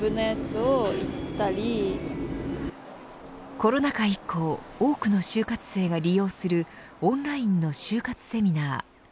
コロナ禍以降多くの就活生が利用するオンラインの就活セミナー。